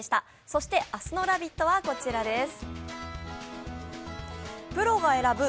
そして明日の「ラヴィット！」はこちらです。